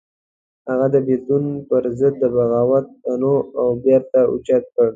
هغه د بېلتون پر ضد د بغاوت توغ او بېرغ اوچت کړ.